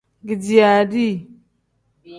Kediiya dii.